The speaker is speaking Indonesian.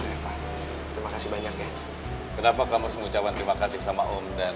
eva terima kasih banyak ya kenapa kamu harus mengucapkan terima kasih sama om dan